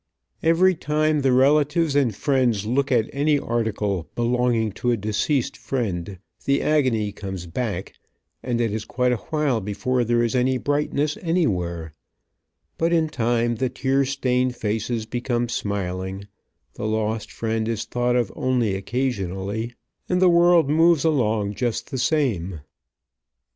Every time the relatives and friends look at any article belonging to a deceased friend, the agony comes back, and it is quite a while before there is any brightness anywhere, but in time the tear stained faces become smiling, the lost friend is thought of only occasionally, and the world moves along just the same.